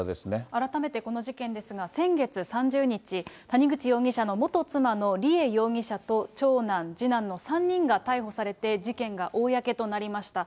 改めてこの事件ですが、先月３０日、谷口容疑者の元妻の梨恵容疑者と長男、次男の３人が逮捕されて、事件が公となりました。